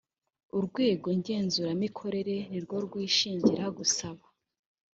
urwego ngenzuramikorere ni rwo rwishingira gusaba